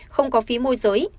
không có phí môi giới